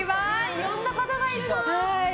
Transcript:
いろんな方がいるな。